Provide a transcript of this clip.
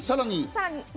さらに。